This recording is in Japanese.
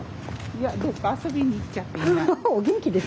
いやどっか遊びに行っちゃっていない。